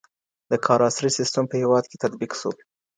د کار عصري سیستم په هېواد کي تطبیق سو.